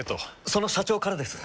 その社長からです。